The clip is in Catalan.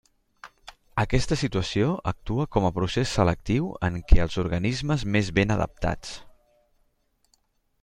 Aquesta situació actua com a procés selectiu en què els organismes més ben adaptats.